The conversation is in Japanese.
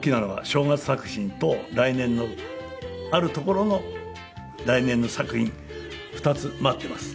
正月作品と来年のあるところの来年の作品２つ待っています。